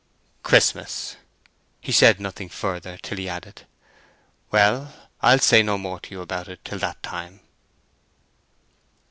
"Christmas!" He said nothing further till he added: "Well, I'll say no more to you about it till that time."